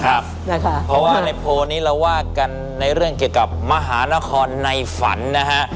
เพราะว่าในโพลนี้เราว่ากันในเรื่องเกี่ยวกับมหานครในฝันนะฮะ